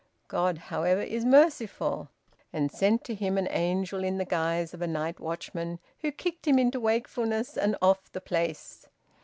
God, however, is merciful, and sent to him an angel in the guise of a night watchman, who kicked him into wakefulness and off the place.